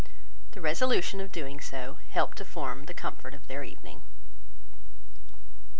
The resolution of doing so helped to form the comfort of their evening.